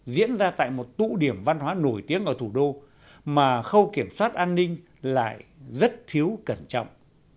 diễn ra tại một tụ điểm văn hóa nổi tiếng ở thủ đô mà khâu kiểm soát an ninh lại rất thiếu cẩn trọng